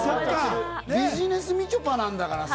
「ビジネスみちょぱ」なんだからさ。